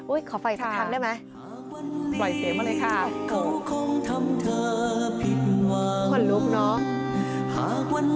อุ๊ยขอไฟสักครั้งได้ไหมนะครับ